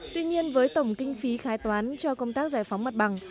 tuy nhiên với tổng kinh phí khai toán cho công tác giải phóng mặt bằng